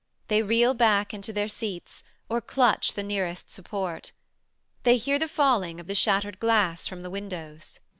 They reel back into their seats, or clutch the nearest support. They hear the falling of the shattered glass from the windows.